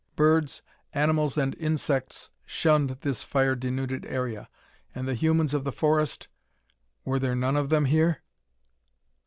Birds, animals and insects shunned this fire denuded area. And the humans of the forest were there none of them here?